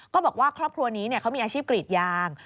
บอกว่าครอบครัวนี้เขามีอาชีพกรีดยาง